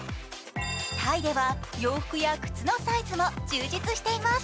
タイでは洋服や靴のサイズも充実しています。